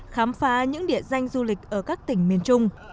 khám phá những địa danh du lịch ở các tỉnh miền trung